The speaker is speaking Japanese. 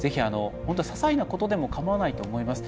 ささいなことでも構わないと思います。